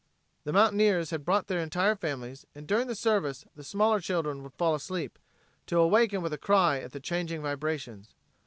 The mountaineers had brought their entire families, and during the service the smaller children would fall asleep, to awaken with a cry at the changing vibrations.